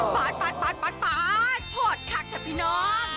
ปาดพอดคักเถอะพี่น้อง